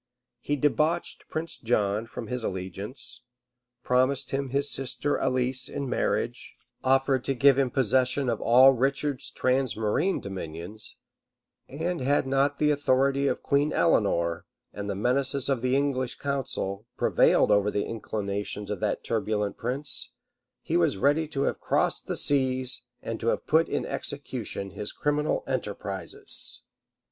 He debauched Prince John from his allegiance; promised him his sister Alice in marriage; offered to give him possession of all Richard's transmarine dominions; and had not the authority of Queen Eleanor, and the menaces of the English council, prevailed over the inclinations of that turbulent prince, he was ready to have crossed the seas, and to have put in execution his criminal enterprises.